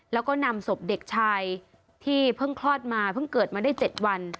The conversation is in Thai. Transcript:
แล้วก็นำศพเด็กชายที่เพิ่งคลอดมาเพิ่งเกิดมาได้๗วัน